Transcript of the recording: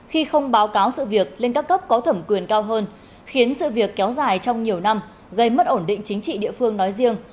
khi không báo cáo sự việc lên các cấp có thẩm quyền cao hơn khiến sự việc kéo dài trong nhiều năm gây mất ổn định chính trị địa phương nói riêng